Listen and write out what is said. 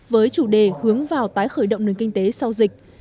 với chủ đề hướng vào tái khởi động nền kinh tế sau dịch